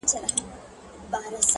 خدايه ته لوی يې؛